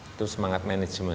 itu semangat manajemen